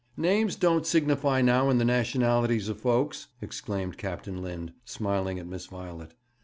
'Names don't signify now in the nationalities of folks,' exclaimed Captain Lind, smiling at Miss Violet.